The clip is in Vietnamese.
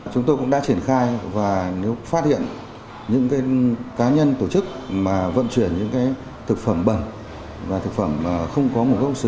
chúng tôi cũng đã triển khai và nếu phát hiện những cá nhân tổ chức mà vận chuyển những thực phẩm bẩn và thực phẩm không có nguồn gốc xuất xứ